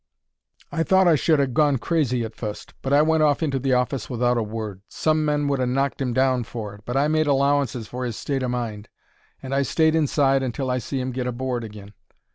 I thought I should 'ave gone crazy at fust, but I went off into the office without a word. Some men would ha' knocked 'im down for it, but I made allowances for 'is state o' mind, and I stayed inside until I see 'im get aboard agin.